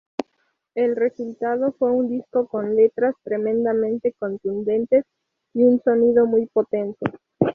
El resultado fue un disco con letras tremendamente contundentes y un sonido muy potente.